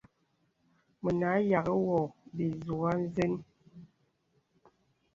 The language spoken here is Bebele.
Mə a yaghì wɔ bìzūkə̀ nzən.